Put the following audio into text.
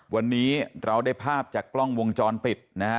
วันนี้เราได้ภาพจากกล้องวงจรปิดนะฮะ